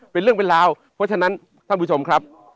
เป็นเรื่องเป็นราวเพราะฉะนั้นท่านผู้ชมครับ